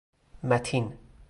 متین